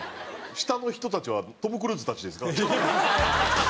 下の人たちはトム・クルーズたちですか？